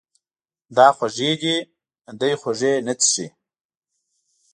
دا خوږې دي، دی خوږې نه څښي.